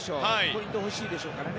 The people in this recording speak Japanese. ポイントが欲しいでしょうから。